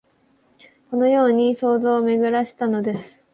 このように想像をめぐらしたのです